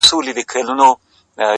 o سترگي لكه دوې ډېوې؛